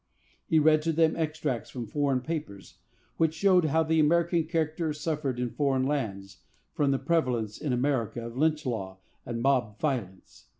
He read to them extracts from foreign papers, which showed how the American character suffered in foreign lands from the prevalence in America of Lynch law and mob violence.